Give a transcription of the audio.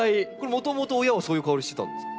もともと親はそういう香りしてたんですか？